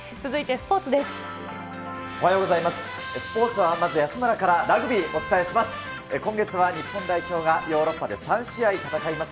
スポーツはまず安村からラグビーお伝えします。